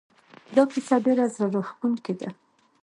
دا کیسه ډېره زړه راښکونکې ده